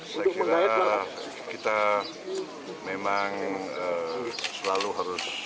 saya kira kita memang selalu harus berhati hati